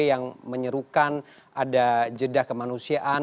yang menyerukan ada jeda kemanusiaan